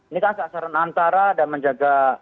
ini kan sasaran antara dan menjaga